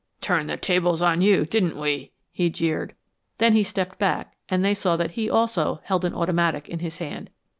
"Turned the tables on you, didn't we?" he jeered. Then he stepped back and they saw that he also held an automatic in his hand.